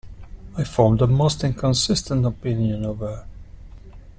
I formed the most inconsistent opinions of her.